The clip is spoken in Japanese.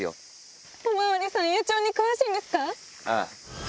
ああ。